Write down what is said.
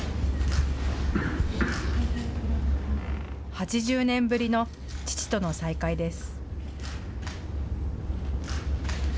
８０年ぶりの父との再会です。